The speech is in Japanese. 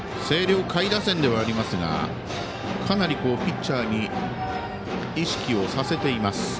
星稜、下位打線ではありますがかなりピッチャーに意識をさせています